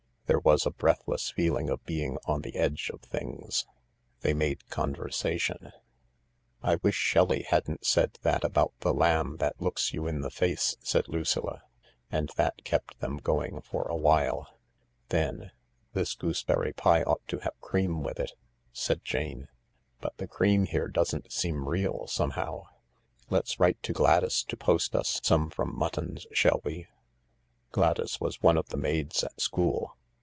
There was a breathless feeling of being on the edge of things. They made conversation :" I wish Shelley hadn't said that about the lamb that looks you in the face," said Lucilla. And that kept them going for a while. Then :" This gooseberry pie ought to have cream withit," said Jane ;" but the cream here doesn't seem real somehow. Let's write to Gladys to post us some from Mutton's, shall we ? Gladys was one of the maids at school."